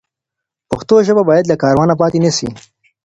پښتو ژبه باید له کاروانه پاتې نه سي.